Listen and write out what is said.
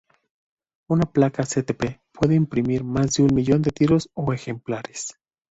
Una placa CtP puede imprimir más de un millón de tiros o ejemplares.